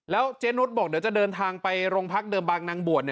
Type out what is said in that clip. เจ๊นุษย์บอกเดี๋ยวจะเดินทางไปโรงพักเดิมบางนางบวช